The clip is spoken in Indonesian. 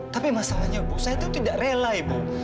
tapi masalahnya bu saya itu tidak rela ibu